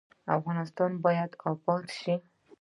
افغانستان باید اباد شي